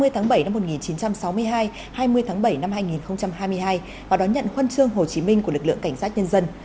hai mươi tháng bảy năm một nghìn chín trăm sáu mươi hai hai mươi tháng bảy năm hai nghìn hai mươi hai và đón nhận huân chương hồ chí minh của lực lượng cảnh sát nhân dân